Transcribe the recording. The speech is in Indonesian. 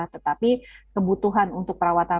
tetapi kebutuhan untuk perawatan